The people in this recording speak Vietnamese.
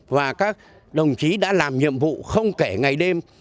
và các đồng chí đã làm nhiệm vụ không kể ngày đêm